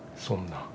そんな。